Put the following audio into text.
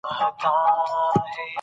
هغه د پاکستان د ولسي جرګې غړی شو.